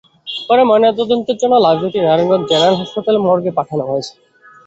পরে ময়নাতদন্তের জন্য লাশ দুটি নারায়ণগঞ্জ জেনারেল হাসপাতালের মর্গে পাঠানো হয়েছে।